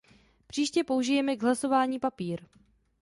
Příště použijeme k hlasování papír!